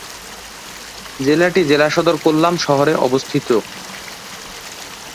জেলা টি জেলাসদর কোল্লাম শহরে অবস্থিত।